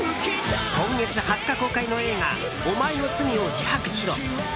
今月２０日公開の映画「おまえの罪を自白しろ」。